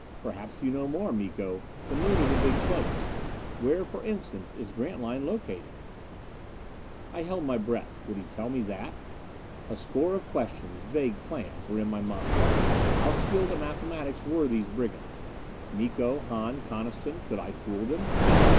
"Perhaps you know more, Miko. The Moon is a big place. Where, for instance, is Grantline located?" I held my breath. Would he tell me that? A score of questions vague plans were in my mind. How skilled at mathematics were these brigands? Miko, Hahn, Coniston could I fool them?